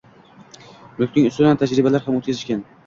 Mulkning ustidan tajribalar ham o‘tkazishgan.